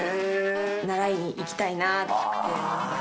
習いに行きたいなって思います。